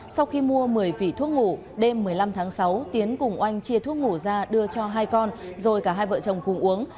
sau khi mua một mươi vỉ thuốc ngủ đêm một mươi năm tháng sáu tiến cùng oanh chia thuốc ngủ ra đưa cho hai con rồi cả hai vợ chồng cùng uống